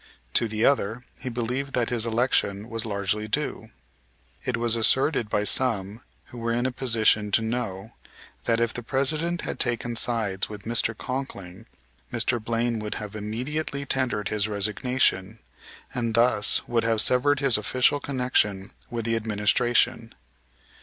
To the other he believed that his election was largely due. It was asserted by some who were in a position to know that, if the President had taken sides with Mr. Conkling, Mr. Blaine would have immediately tendered his resignation, and thus would have severed his official connection with the administration.